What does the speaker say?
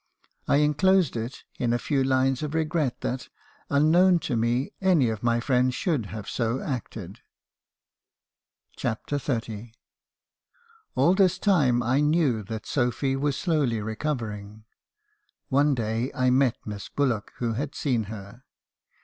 I enclosed it in a few lines of regret that, unknown to me, any of my friends should have so acted." CHAPTER XXX. "All this time I knew that Sophy was slowly recovering. One day I met Miss Bullock , who had seen her.